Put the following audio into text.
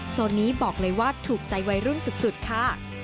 โซนนี้บอกเลยว่าถูกใจวัยรุ่นสุดค่ะ